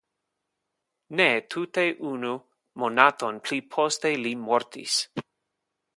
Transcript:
Ne tute unu monaton pli poste li mortis.